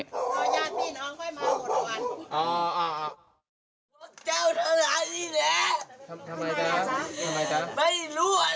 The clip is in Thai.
อย่างนี่น้องไม่มาหมดเมื่อวาน